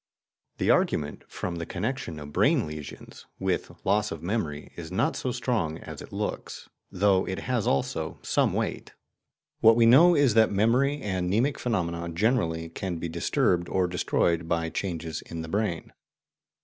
The argument from the connection of brain lesions with loss of memory is not so strong as it looks, though it has also, some weight. What we know is that memory, and mnemic phenomena generally, can be disturbed or destroyed by changes in the brain.